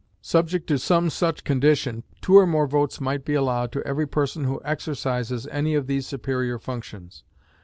Subject to some such condition, two or more votes might be allowed to every person who exercises any of these superior functions.